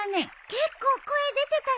結構声出てたね。